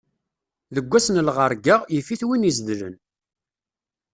Deg wass n lɣeṛga, yif-it win izedlen.